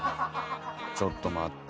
ちょっと待って。